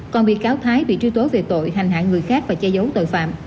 còn bị cáo thái bị truy tố về tội hành hạ người khác và che giấu tội phạm